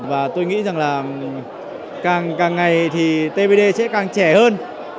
và tôi nghĩ rằng là càng ngày thì tbd sẽ càng trẻ hơn